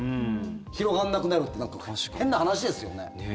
広がらなくなるってなんか、変な話ですよね。